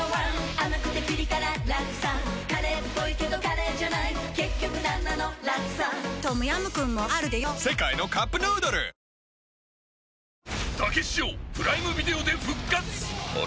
甘くてピリ辛ラクサカレーっぽいけどカレーじゃない結局なんなのラクサトムヤムクンもあるでヨ世界のカップヌードルキャモン！！